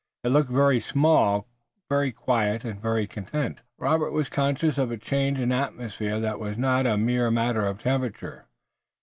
It looked very small, very quiet, and very content. Robert was conscious of a change in atmosphere that was not a mere matter of temperature.